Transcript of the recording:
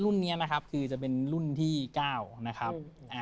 รุ่นนี้นะครับคือจะเป็นรุ่นที่๙นะครับ